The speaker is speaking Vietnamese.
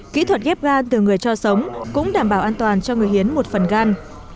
kỹ thuật ghép gan từ người cho sống cũng đảm bảo an toàn cho người hiến một phần gan